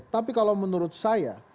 tapi kalau menurut saya